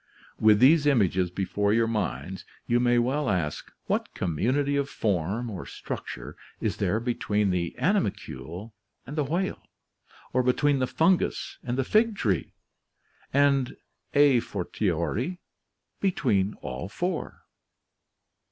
With these images before your minds, you may well ask, what community of form, or structure, is there between the animalcule and the whale; or between the fungus and the fig tree? And, a fortiori, between all four?"